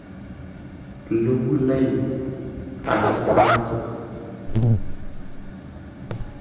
Ləwʉ̂ lei, a zʉ̂ paa zə̂.